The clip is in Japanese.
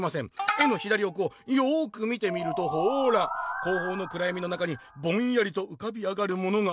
絵の左おくをよく見てみるとほら後方のくらやみの中にぼんやりとうかび上がるものが」。